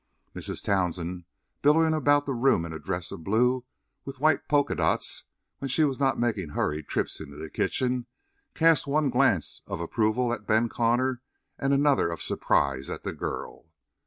Mrs. Townsend, billowing about the room in a dress of blue with white polka dots, when she was not making hurried trips into the kitchen, cast one glance of approval at Ben Connor and another of surprise at the girl.